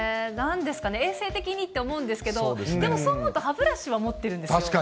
なんですかね、衛生的にって思うんですけど、でもそう思うと、歯ブラシは持ってるんですよ。